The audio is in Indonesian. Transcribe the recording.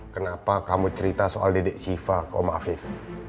kenapa kamu cerita soal didik siva maafif